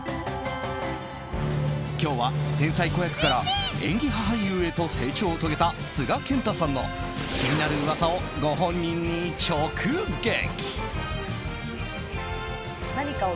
今日は天才子役から演技派俳優へと成長を遂げた須賀健太さんの気になる噂をご本人に直撃。